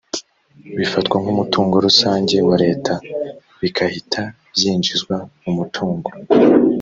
bifatwa nkumutungo rusange wa leta bikahita byinjizwa mu mutungo